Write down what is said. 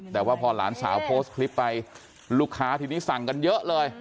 แต่ว่าพอหลานสาวโพสต์คลิปไปลูกค้าทีนี้สั่งกันเยอะเลย